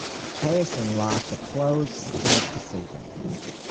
Harrison lost a close, split decision.